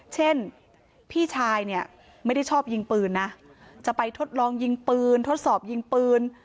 เช่นพี่ชายเนี่ยไม่ได้ชอบยิงปืนนะจะไปทดลองยิงปืนทดสอบยิงปืน